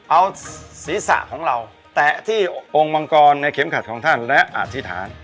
เอาศีรษะของเราแตะที่องค์มังกรในเข็มขัดของท่านและอธิษฐาน